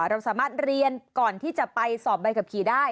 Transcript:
เราสามารถเรียนก่อนที่จะไปสอบใบขับขี่ได้